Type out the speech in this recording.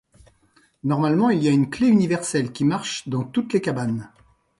Normalement, il y a une clé universelle qui marche dans toutes les cabanes.